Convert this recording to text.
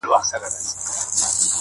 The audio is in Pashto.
نو څنګه پخپلو حقوقو نه پوهيږي